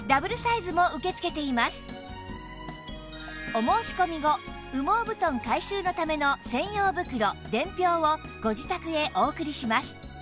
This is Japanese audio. お申し込み後羽毛布団回収のための専用袋伝票をご自宅へお送りします